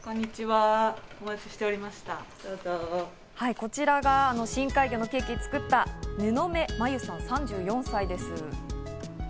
こちらが深海魚のケーキを作った布目真優さん、３４歳です。